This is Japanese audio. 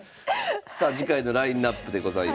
さあ次回のラインナップでございます。